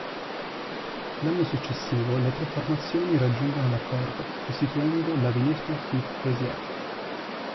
L'anno successivo le tre formazioni raggiungono l'accordo, costituendo l'Avenir sportif Béziers.